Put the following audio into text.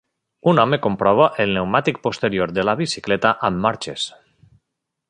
Un home comprova el pneumàtic posterior de la bicicleta amb marxes.